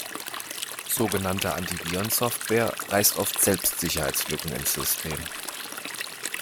Sogenannte Antivirensoftware reißt oft selbst Sicherheitslücken ins System.